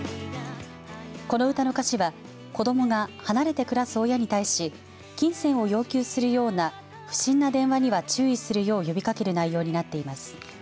この歌の歌詞は子どもが離れて暮らす親に対し金銭を要求するような不審な電話には注意するよう呼びかける内容になっています。